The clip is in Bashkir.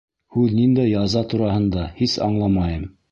— Һүҙ ниндәй яза тураһында, һис аңламайым.